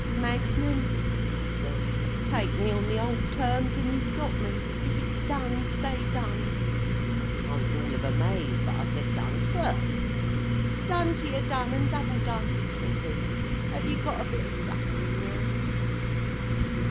"Magsman," he says, "take me, on the old terms, and you've got me; if it's done, say done!" I was all of a maze, but I said, "Done, sir." "Done to your done, and double done!" says he. "Have you got a bit of supper in the house?"